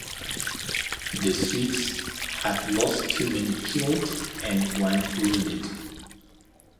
The Swedes had lost two men killed and one wounded.